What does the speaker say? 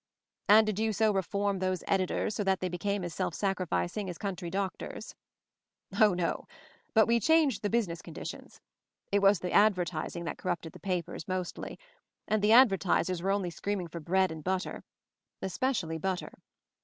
"And did you so reform those Editors, so that they became as self sacrificing as coun try doctors?" "Oh, no. But we changed the business MOVING THE MOUNTAIN 231 conditions. It was the advertising that corrupted the papers — mostly; and the ad vertisers were only screaming for bread and butter — especially butter.